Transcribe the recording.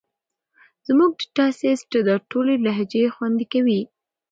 زموږ ډیټا سیټ دا ټولې لهجې خوندي کوي.